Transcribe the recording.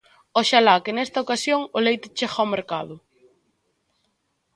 Oxalá que nesta ocasión o leite chegue ao mercado.